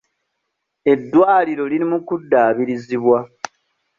Eddwaliro liri mu kuddaabirizibwa.